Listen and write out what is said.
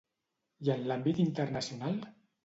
I en l'àmbit internacional?